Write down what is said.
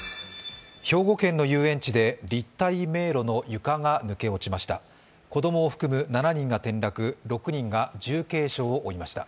兵庫県の遊園地で立体迷路の床が抜け落ちました。